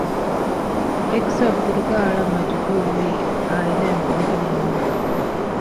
އެކްސް އަށް ބުރުގާ އަޅަން މަޖުބޫރުވީ އާއިލާއިން ބުނެގެނެއް ނޫން